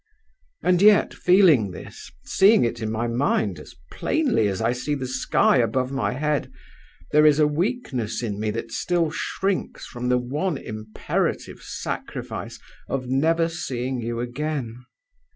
And yet, feeling this, seeing it in my mind as plainly as I see the sky above my head, there is a weakness in me that still shrinks from the one imperative sacrifice of never seeing you again.